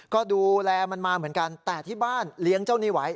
ก็ดูแลมันมาเหมือนกันแต่ที่บ้านเลี้ยงเจ้าหนี้ไว้